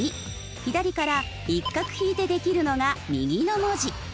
左から１画引いてできるのが右の文字。